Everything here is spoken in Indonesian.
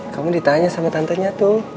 kamu ditanya sama tantenya tuh